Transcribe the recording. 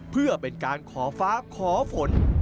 เพื่อเป็นการขอฟ้าขอฝน